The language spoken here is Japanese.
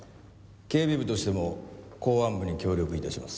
警備部としても公安部に協力致します。